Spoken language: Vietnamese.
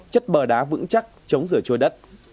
chất bờ đá vững chắc chống rửa trôi đất